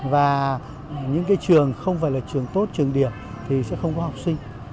và những trường không phải là trường tốt trường điểm thì sẽ không có học sinh